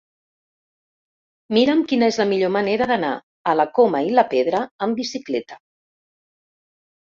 Mira'm quina és la millor manera d'anar a la Coma i la Pedra amb bicicleta.